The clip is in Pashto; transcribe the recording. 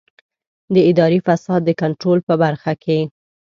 د اداري فساد د کنټرول په برخه کې.